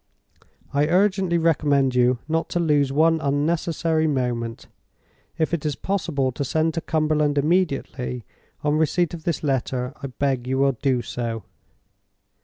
I urgently recommend you not to lose one unnecessary moment. If it is possible to send to Cumberland immediately on receipt of this letter, I beg you will do so.